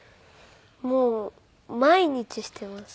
もう毎日してます。